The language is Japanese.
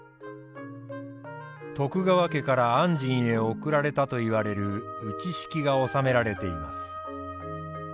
徳川家から按針へ贈られたといわれる打敷が納められています。